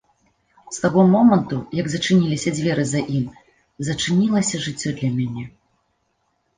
З таго моманту, як зачыніліся дзверы за ім, зачынілася жыццё для мяне.